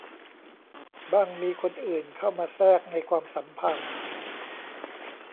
บ้างมีคนอื่นเข้ามาแทรกในความสัมพันธ์